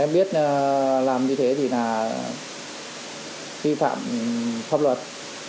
em biết làm như thế thì là thi phạm pháp luật